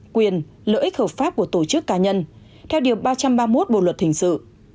quyền lợi ích hợp pháp của tổ chức cá nhân theo điều ba trăm ba mươi một bộ luật hình sự